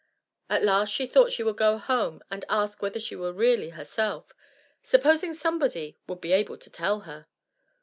At last she thought she would go home and ask whether she were really herself supposing somebody would be able to tell her.